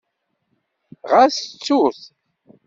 Ɣas ttut.